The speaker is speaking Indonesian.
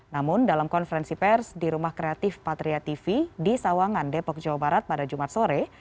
namun dalam konferensi pers di rumah kreatif patria tv di sawangan depok jawa barat pada jumat sore